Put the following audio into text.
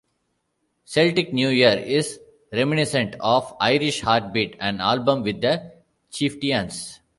"Celtic New Year" is reminiscent of "Irish Heartbeat", an album with The Chieftains.